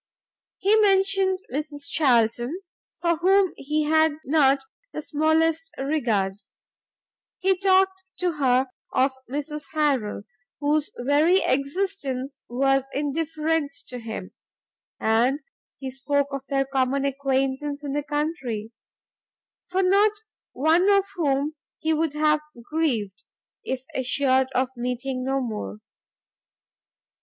He mentioned Mrs Charlton, for whom he had not the smallest regard; he talked to her of Mrs Harrel, whose very existence was indifferent to him; and he spoke of their common acquaintance in the country, for not one of whom he would have grieved, if assured of meeting no more.